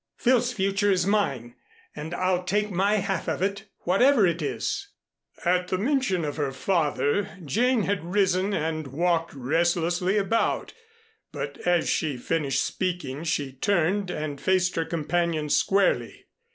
Phil's future is mine, and I'll take my half of it, whatever it is." At the mention of her father, Jane had risen and walked restlessly about, but as she finished speaking she turned and faced her companion squarely.